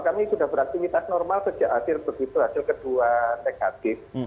kami sudah beraktivitas normal sejak akhir begitu hasil kedua negatif